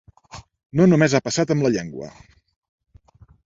No només ha passat amb la llengua.